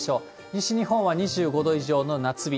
西日本は２５度以上の夏日。